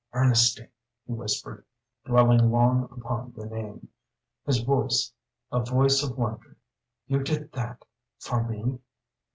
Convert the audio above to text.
"Ernestine," he whispered, dwelling long upon the name, his voice a voice of wonder, "you did that for me?"